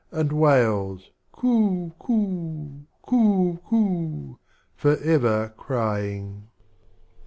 And wails coo coo, coo coo,^ forever crying.